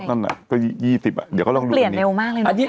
ละนั่นน่ะก็๒๐อะเดี๋ยวเขาลองดูอันนี้